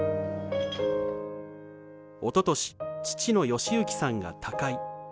おととし父の良行さんが他界。